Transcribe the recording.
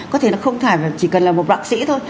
có thể là không phải chỉ cần là một bác sĩ thôi